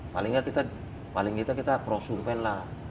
paling tidak kita prosumen lah